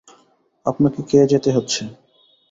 আপনাকে খেয়ে যেতে হচ্ছে।